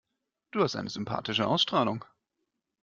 Du hast eine sympathische Ausstrahlung.